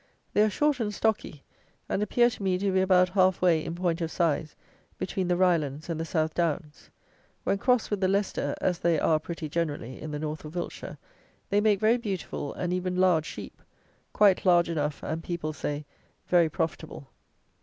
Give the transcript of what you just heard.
They are short and stocky, and appear to me to be about half way, in point of size, between the Rylands and the South Downs. When crossed with the Leicester, as they are pretty generally in the North of Wiltshire, they make very beautiful and even large sheep; quite large enough, and, people say, very profitable.